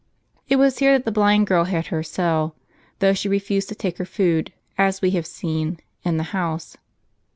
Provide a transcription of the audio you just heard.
It was here that the blind girl had her cell, though she refused to take her food, as we have seen, in the house.